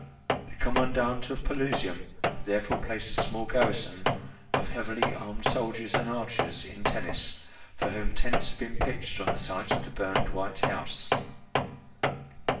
The commandant of Pelusium had therefore placed a small garrison of heavily armed soldiers and archers in Tennis, for whom tents had been pitched on the site of the burned white house.